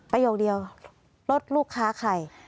ประโยคเดียวรถลูกค้าใคร